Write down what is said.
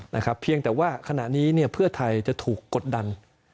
เพียงแต่ว่าขณะนี้เนี่ยเพื่อไทยจะถูกกดดัน